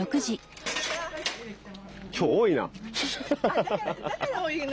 今日多いな。